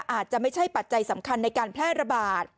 อาจจะไม่ใช่ปัจจัยสำคัญในการแพร่ระบาด